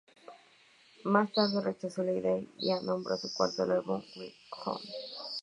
Más tarde rechazó la idea, y nombró a su cuarto álbum "Wild Ones".